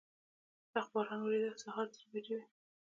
سخت باران ورېده، د سهار درې بجې به وې.